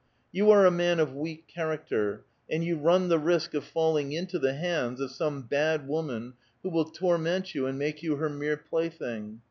You are a man of a weak character, and you run the risk of falling into the hands of some bad woman who will torment you and make you her mere plaything.